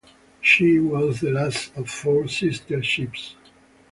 She was the last of four sister ships.